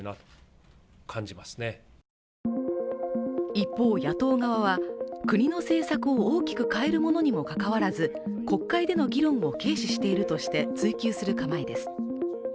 一方、野党側は国の政策を大きく変えるものにもかかわらず、国会での議論を軽視しているとして追及する構えです。